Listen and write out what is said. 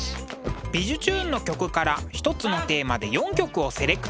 「びじゅチューン！」の曲から一つのテーマで４曲をセレクト。